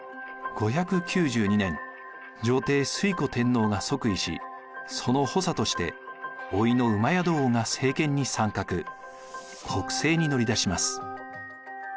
５９２年女帝推古天皇が即位しその補佐としておいの戸王が政権に参画国政に乗り出します。